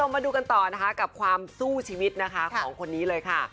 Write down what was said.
มาดูกันต่อนะคะกับความสู้ชีวิตนะคะของคนนี้เลยค่ะ